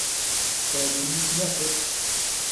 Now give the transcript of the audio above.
تێبینیت نەکرد؟